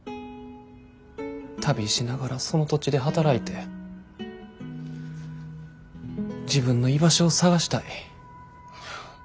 旅しながらその土地で働いて自分の居場所を探したい。